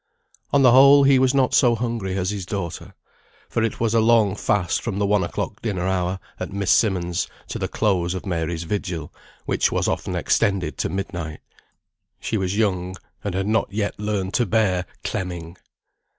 On the whole he was not so hungry as his daughter. For it was a long fast from the one o'clock dinner hour at Miss Simmonds' to the close of Mary's vigil, which was often extended to midnight. She was young, and had not yet learned to bear "clemming."